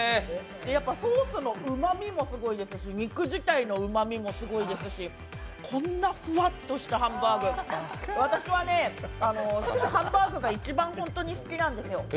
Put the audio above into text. やっぱソースのうまみもすごいですし、肉自体のうまみもすごいですし、こんなふわっとしたハンバーグ私はね、ハンバーグが一番ホントに好きなんですよ。